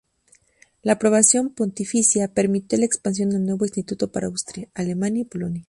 La aprobación pontificia permitió la expansión del nuevo instituto por Austria, Alemania y Polonia.